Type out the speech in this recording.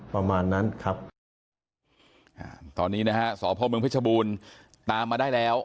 ประมาณนั้นครับอ่าตอนนี้นะฮะสพเมืองเพชรบูรณ์ตามมาได้แล้ว